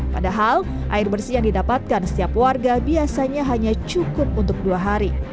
padahal air bersih yang didapatkan setiap warga biasanya hanya cukup untuk dua hari